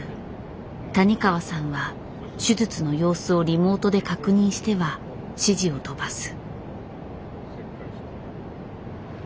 谷川さんは手術の様子をリモートで確認しては指示を飛ばす。